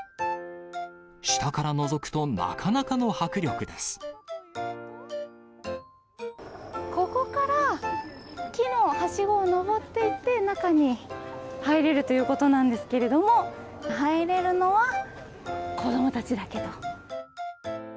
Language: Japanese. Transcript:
下からのぞくとなかなかの迫力でここから、木のはしごを上って行って、中に入れるということなんですけれども、入れるのは子どもたちだけと。